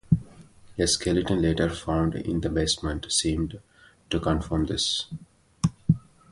A skeleton later found in the basement seemed to confirm this.